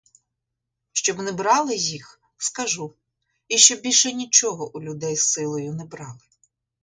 Щоб не брали їх, скажу, і щоб більше нічого у людей силою не брали.